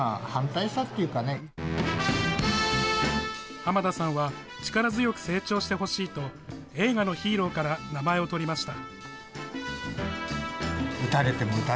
濱田さんは、力強く成長してほしいと、映画のヒーローから名前を取りました。